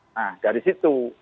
nah dari situ